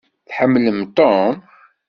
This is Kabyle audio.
Tḥemmlem Tom?